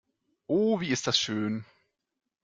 Oh, wie ist das schön!